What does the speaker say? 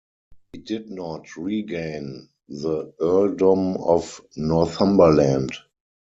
He did not regain the earldom of Northumberland.